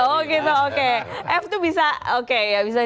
oh gitu oke f itu bisa siapapun ya di kubu seberang